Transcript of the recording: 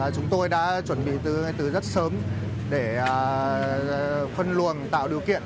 chúng tôi đã chuẩn bị từ rất sớm để phân luồng tạo điều kiện